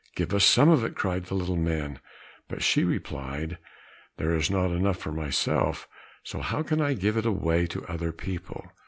"Give us some of it," cried the little men; but she replied, "There is not enough for myself, so how can I give it away to other people?"